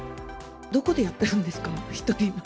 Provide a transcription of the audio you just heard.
どこでやってるんですか？